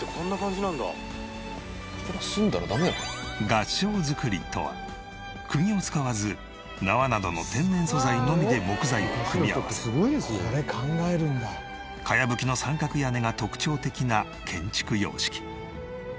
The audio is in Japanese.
合掌造りとはクギを使わず縄などの天然素材のみで木材を組み合わせ茅葺きの三角屋根が特徴的な建築様式。